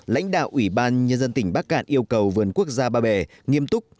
lãnh đạo ủy ban nhân dân tỉnh bắc cạn yêu cầu vườn quốc gia ba bể nghiêm túc